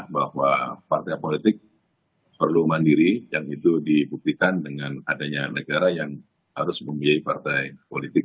bahwa partai politik perlu mandiri yang itu dibuktikan dengan adanya negara yang harus membiayai partai politik